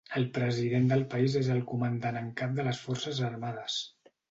El president del país és el Comandant en Cap de les Forces Armades.